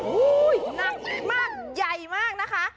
โอ้โฮนั่งมากใหญ่มากนะคะ